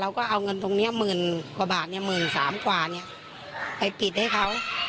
ก็เอาเงินตรงนี้หมื่นกว่าบาท๑๓๐๐กว่าไปปิดให้เขา